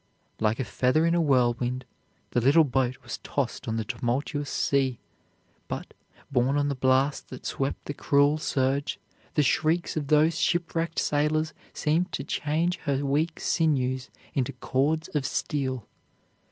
Like a feather in a whirlwind the little boat was tossed on the tumultuous sea, but, borne on the blast that swept the cruel surge, the shrieks of those shipwrecked sailors seemed to change her weak sinews into cords of steel.